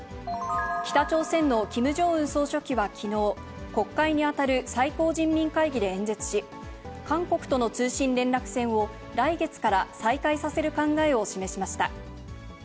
北朝鮮のキム・ジョンウン総書記はきのう、国会に当たる最高人民会議で演説し、韓国との通信連絡線を来月から再開させる考えを示しました。